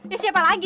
ya siapa lagi